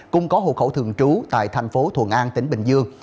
cùng có hộ khẩu thường trú tại thành phố thuận an tỉnh bình dương